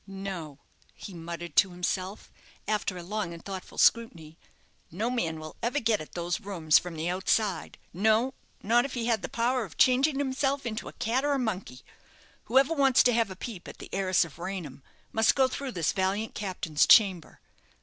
"No," he muttered to himself, after a long and thoughtful scrutiny; "no man will ever get at those rooms from the outside; no, not if he had the power of changing himself into a cat or a monkey. Whoever wants to have a peep at the heiress of Raynham must go through this valiant captain's chamber.